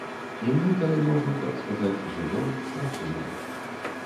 І мы, калі можна так сказаць, жывём, працуем.